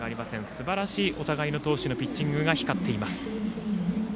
すばらしいお互いの投手のピッチングが光っています。